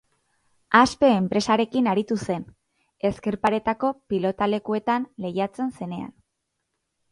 Aspe enpresarekin aritu zen, ezker paretako pilotalekuetan lehiatzen zenean.